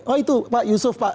oh itu pak yusuf pak